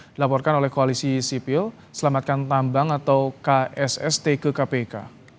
dilaporkan oleh koalisi sipil selamatkan tambang atau ksst ke kpk